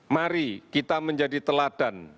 mari kita menjadi teladan